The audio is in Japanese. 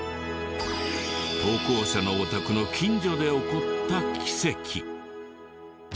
投稿者のお宅の近所で起こった奇跡。